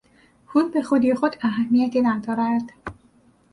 پول به خودی خود اهمیتی ندارد.